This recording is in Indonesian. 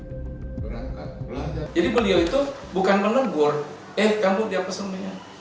jadi beliau itu bukan menegur eh kamu diapa semuanya